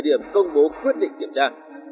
từ thời điểm công bố quyết định kiểm tra